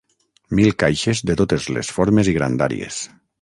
Mil caixes de totes les formes i grandàries.